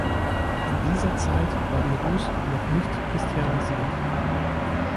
In dieser Zeit war die Rus noch nicht christianisiert.